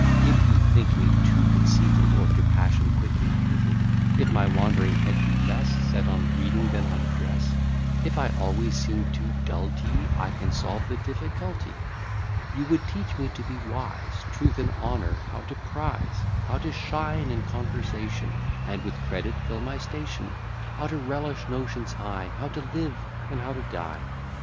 If you think me too conceited, Or to passion quickly heated; If my wandering head be less Set on reading than on dress; If I always seem too dull t'ye; I can solve the diffi culty. You would teach me to be wise: Truth and honour how to prize; How to shine in conversation, And with credit fill my station; How to relish notions high; How to live, and how to die.